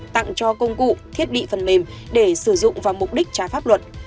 tặng cho công cụ thiết bị phần mềm để sử dụng vào mục đích trái pháp luật